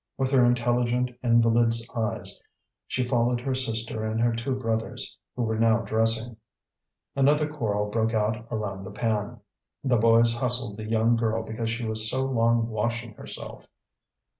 With her intelligent invalid's eyes she followed her sister and her two brothers, who were now dressing. Another quarrel broke out around the pan, the boys hustled the young girl because she was so long washing herself.